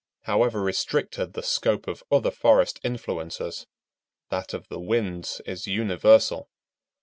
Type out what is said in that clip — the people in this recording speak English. However restricted the scope of other forest influences, that of the winds is universal.